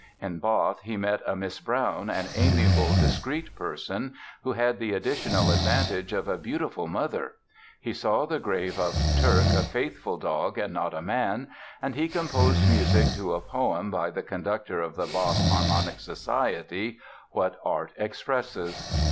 In Bath he met a Miss Brown, "an amiable discreet person", who had the additional advantage of "a beautiful mother"; he saw the grave of "Turk, a faithful dog and not a man"; and he composed music to a poem by the conductor of the Bath Harmonic Society, "What Art Expresses".